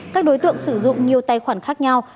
các đối tượng sử dụng nhiều tài khoản khác nhau